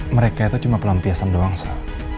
mereka itu cuma pelampiasan doang sab